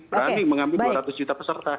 berani mengambil dua ratus juta peserta